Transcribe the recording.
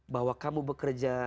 bahwa kamu bekerja